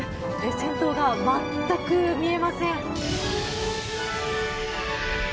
先頭が全く見えません。